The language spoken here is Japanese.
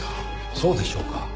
そうでしょうか？